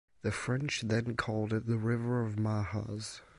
The French then called it The River of the Mahas.